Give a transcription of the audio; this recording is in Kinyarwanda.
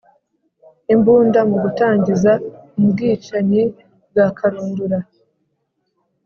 imbunda mu gutangiza umbwicanyi bwa karundura